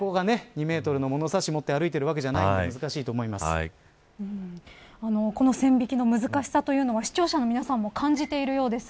２メートルの物差しを持って歩いているわけじゃないのでこの線引きの難しさというのは視聴者の皆さんも感じているようです。